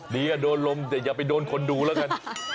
อย่าโดนลมแต่อย่าไปโดนคนดูแล้วกัน